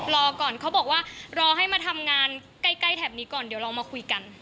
รอก่อนเขาบอกว่ารอให้มาทำงานใกล้แถบนี้ก่อนเดี๋ยวเรามาคุยกัน